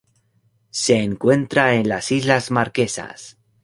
Se encuentra en las Islas Marquesas.